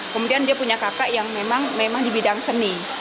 kemudian dia punya kakak yang memang di bidang seni